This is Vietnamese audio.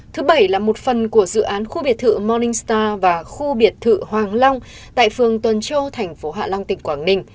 thứ bảy là một phần của dự án khu biệt thự morningstar và khu biệt thự hoàng long tại phường tuần châu tp hl t qn